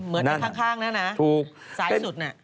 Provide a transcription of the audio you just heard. เหมือนให้ข้างนะนะ